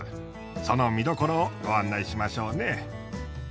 その見どころをご案内しましょうね。